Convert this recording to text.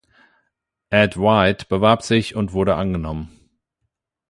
Ed White bewarb sich und wurde angenommen.